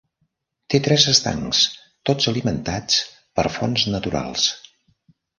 Té tres estancs, tots alimentats per fonts naturals.